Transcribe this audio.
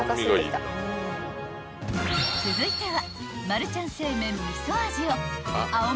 ［続いては］